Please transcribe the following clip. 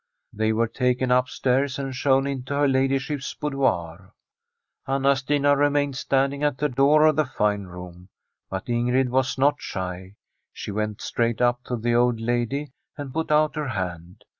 They were taken upstairs, and shown into her ladyship's boudoir. Anna Stina remained standing at the door of the fine room. But Ingrid was not shy ; she went straight up to the old lady and put out her hand.